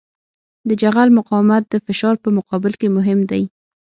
د جغل مقاومت د فشار په مقابل کې مهم دی